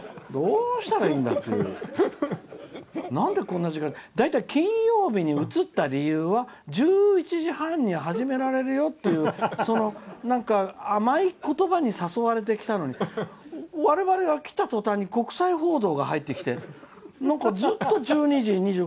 なんで、こんな時間。大体、金曜日に移った理由は１１時半に始められるよって甘い言葉に誘われてきたのに我々が来たとたんに国際報道が入ってきてずっと１２時。